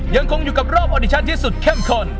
ยังคงอยู่กับรอบออดิชั่นที่สุดเข้มข้น